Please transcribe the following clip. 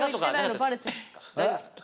大丈夫ですか？